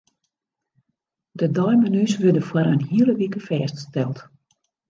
De deimenu's wurde foar in hiele wike fêststeld.